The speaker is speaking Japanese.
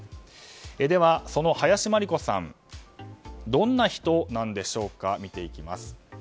では、その林真理子さんどんな人なんでしょうか。